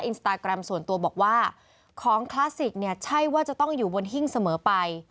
อินสตาแกรมส่วนตัวบอกว่าของคลาสสิกเนี่ยใช่ว่าจะต้องอยู่บนหิ้งเสมอไป